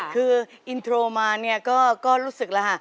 คืออินโทรมาเนี่ยก็รู้สึกแล้วค่ะ